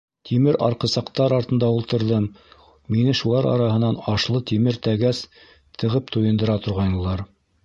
Тимер арҡысаҡтар артында ултырҙым, мине шулар араһынан ашлы тимер тәгәс тығып туйындыра торғайнылар.